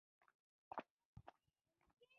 د چرګانو روغتیا د بازار لپاره مهمه ده.